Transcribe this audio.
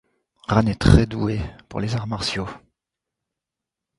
Ran est très douée pour les arts martiaux.